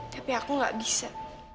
tapi aku gak bisa